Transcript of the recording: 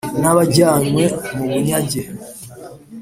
n abajyanywe mu bunyage